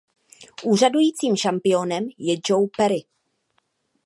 Úřadujícím šampiónem je Joe Perry.